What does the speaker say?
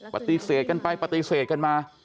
ปฏิเสธกันไปปฏิเสธกันมา